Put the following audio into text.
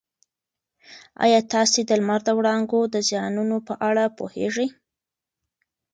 ایا تاسي د لمر د وړانګو د زیانونو په اړه پوهېږئ؟